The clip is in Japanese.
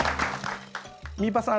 みーぱんさん